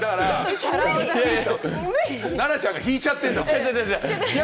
奈々ちゃんが引いちゃってるんだもん。